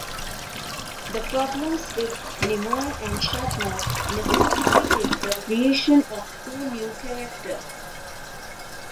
The problems with Nimoy and Shatner necessitated the creation of two new characters.